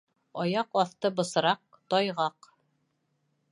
Аяҡ аҫты бысраҡ, тайғаҡ.